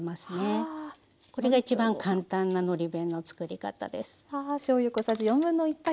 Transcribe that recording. これが一番簡単なのり弁のつくり方です。